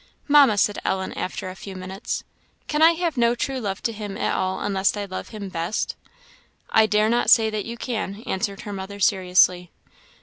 "Mamma," said Ellen, after a few minutes, "can I have no true love to Him at all unless I love him best?" "I dare not say that you can," answered her mother, seriously.